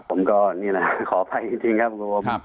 ผมก็นี่แหละขอไปจริงครับครับ